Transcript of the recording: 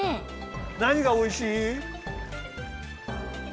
なにがおいしい？